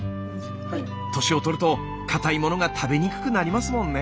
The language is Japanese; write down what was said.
年を取るとかたいものが食べにくくなりますもんね。